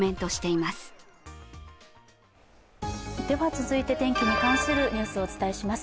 続いて天気に関するニュースをお伝えします。